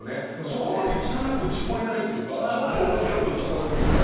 そこまで汚く聞こえないっていうかちょっと面白く聞こえるみたいな。